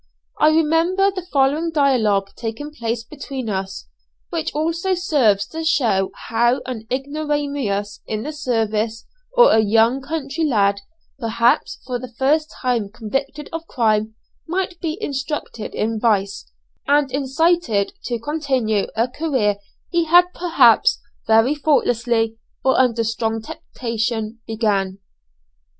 I remember the following dialogue taking place between us, which also serves to show how an ignoramus in the science, or a young country lad, perhaps for the first time convicted of crime, might be instructed in vice, and incited to continue a career he had perhaps very thoughtlessly, or under strong temptation, began.